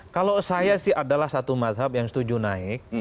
kalau saya sih adalah satu mazhab yang setuju naik